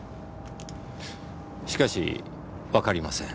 しかしわかりません。